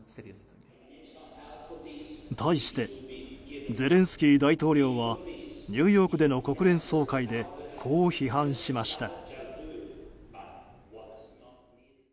対してゼレンスキー大統領はニューヨークでの国連総会でこう批判しました。